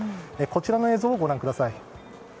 こちらの映像、ご覧ください。